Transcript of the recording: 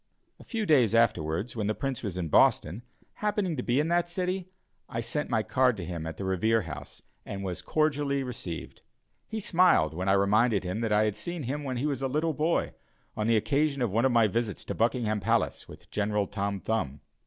A few days afterwards, when the Prince was in Boston, happening to be in that city, I sent my card to him at the Revere House, and was cordially received. He smiled when I reminded him that I had seen him when he was a little boy, on the occasion of one of my visits to Buckingham Palace with General Tom Thumb.